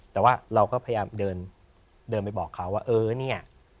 แต่ว่าเราก็พยายามเดินไปบอกเขาว่าเออเนี่ย